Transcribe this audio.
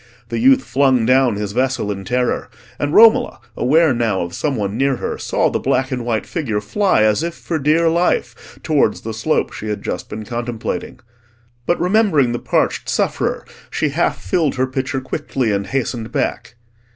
The youth flung down his vessel in terror, and Romola, aware now of some one near her, saw the black and white figure fly as if for dear life towards the slope she had just been contemplating. But remembering the parched sufferer, she half filled her pitcher quickly and hastened back.